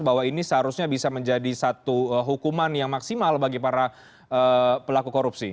bahwa ini seharusnya bisa menjadi satu hukuman yang maksimal bagi para pelaku korupsi